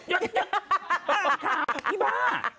คับครับอีบาย